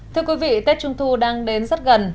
thưa quý vị tết trung thu đang đến rất gần